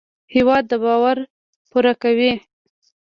هېواد د باور پوره کوي.